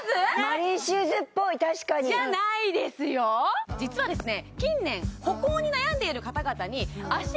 マリンシューズっぽい確かにじゃないですよ実はですね